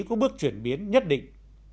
có bước chuyển biến nhất định